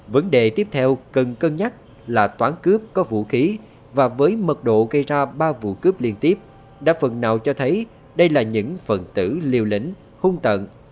vấn đề tiếp theo cần cân nhắc là toán cướp có vũ khí và với mật độ gây ra ba vụ cướp liên tiếp đã phần nào cho thấy đây là những phần tử liều lĩnh hung tận